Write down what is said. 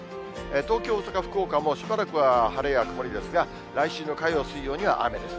東京、大阪、福岡も、しばらくは晴れや曇りですが、来週の火曜、水曜には雨です。